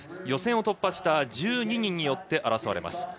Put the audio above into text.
予選を突破した１２人によって争われます。